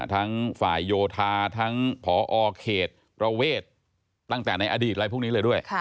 ทั้งฝ่ายโยธาทั้งผอเขตประเวทตั้งแต่ในอดีตอะไรพวกนี้เลยด้วย